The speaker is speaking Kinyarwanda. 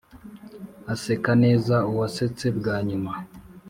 aseka neza uwasetse bwa nyuma.